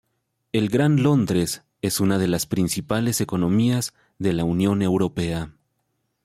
El Gran Londres es una de los principales economías de la Unión Europea.